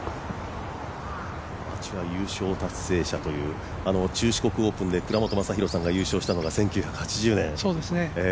アマチュア優勝達成者という中四国オープンで倉本昌弘さんが優勝したのが１９８０年。